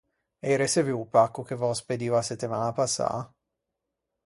Ei reçevuo o pacco che v’ò spedio a settemaña passâ?